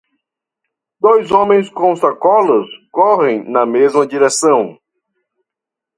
Dois homens com sacolas correm na mesma direção.